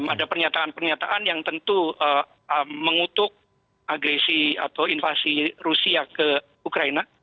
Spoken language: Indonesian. ada pernyataan pernyataan yang tentu mengutuk agresi atau invasi rusia ke ukraina